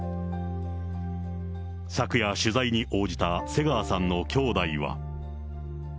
昨夜、取材に応じた瀬川さんのきょうだいは。